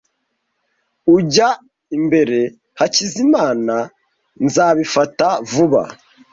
Ujya imbere, Hakizimana. Nzabifata vuba.